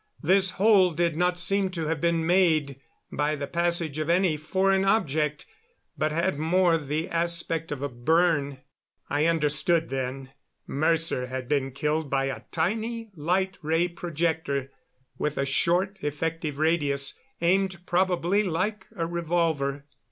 This hole did not seem to have been made by the passage of any foreign object, but had more the aspect of a burn. I understood then Mercer had been killed by a tiny light ray projector, with a short, effective radius, aimed probably like a revolver.